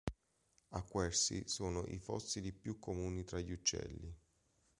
A Quercy sono i fossili più comuni tra gli uccelli.